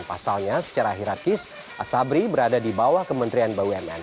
pasalnya secara hirarkis asabri berada di bawah kementerian bumn